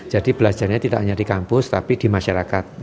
jadi belajarnya tidak hanya di kampus tapi di masyarakat